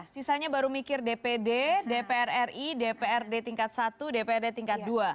sisanya baru mikir dpd dpr ri dprd tingkat satu dprd tingkat dua